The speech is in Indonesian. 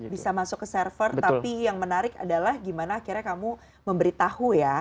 bisa masuk ke server tapi yang menarik adalah gimana akhirnya kamu memberitahu ya